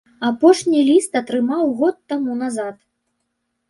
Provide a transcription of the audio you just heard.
Апошні ліст атрымаў год таму назад.